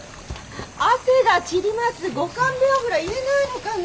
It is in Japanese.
「汗が散りますご勘弁を」ぐらい言えないのかね！